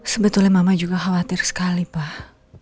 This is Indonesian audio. sebetulnya mama juga khawatir sekali pak